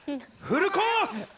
フルコース！